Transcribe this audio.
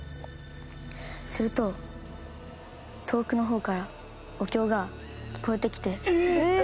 すると遠くの方からお経が聞こえてきて。